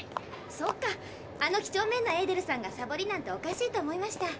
そっかあの几帳面なエーデルさんがサボりなんておかしいと思いました。